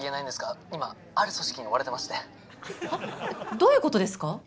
どういうことですか？